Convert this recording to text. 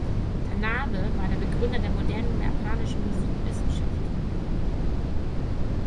Tanabe war der Begründer der modernen japanischen Musikwissenschaft.